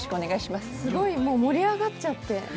すごい盛り上がっちゃって。